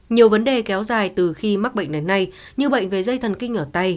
nhiều vấn đề kéo dài từ khi mắc bệnh đến nay như bệnh về dây thần kinh ở tay